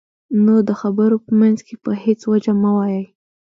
نو د خبرو په منځ کې په هېڅ وجه مه وایئ.